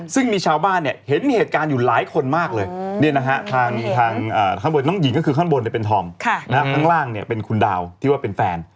ซึ่งมีชาวบ้านเห็นเหตุการณ์อยู่หลายคนมากเลยน้องหญิงข้างบนเป็นทองข้างล่างเป็นคุณดาวที่ว่าเป็นแฟน